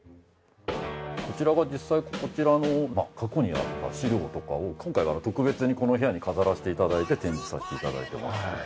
こちらが実際こちらの過去にあった資料とかを今回は特別にこの部屋に飾らせていただいて展示させていただいてます。